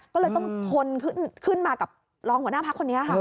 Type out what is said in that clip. ก็เลยต้องทนขึ้นมากับรองหัวหน้าพักคนนี้ค่ะ